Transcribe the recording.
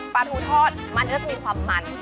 ปลาทูทอดมันก็จะมีความมัน